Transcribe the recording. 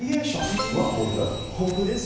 豊富だと。